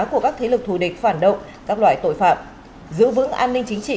của các thế lực thù địch phản động các loại tội phạm giữ vững an ninh chính trị